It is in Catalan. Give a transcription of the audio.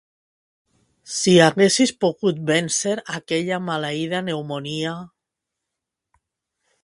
Si haguessis pogut vèncer aquella maleïda pneumònia!